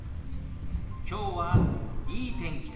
きょうはいい天気だね。